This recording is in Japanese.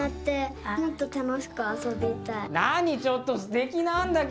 なにちょっとすてきなんだけど。